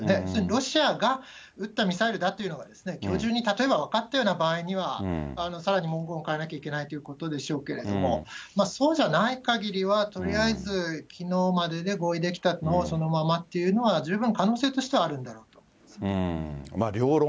ロシアが撃ったミサイルだときょう中に例えば分かったような場合には、さらに文言を変えなきゃいけないということでしょうけど、そうじゃないかぎりは、とりあえずきのうまでで合意できたのをそのままという十分可能性としてはあるんだろうと思いますね。